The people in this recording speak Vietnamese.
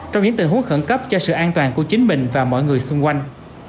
trong những tình huống khẩn cấp cho sự an toàn của chính mình và mọi người xung quanh